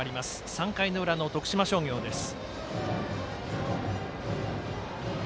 ３回の裏の徳島商業です。